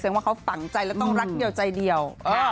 ว่าเขาฝังใจแล้วต้องรักเดียวใจเดียว